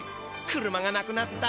車がなくなった？